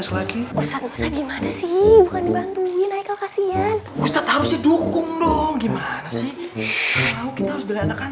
lagi usah gimana sih bukan dibantuin kasian